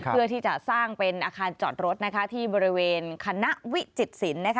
เพื่อที่จะสร้างเป็นอาคารจอดรถที่บริเวณคณะวิจิตศิลป์